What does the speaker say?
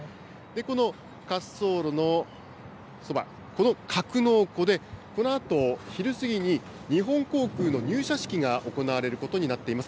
この滑走路のそば、この格納庫で、このあと昼過ぎに、日本航空の入社式が行われることになっていま